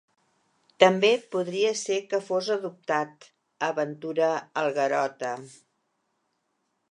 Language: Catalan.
També podria ser que fos adoptat —aventura el Garota.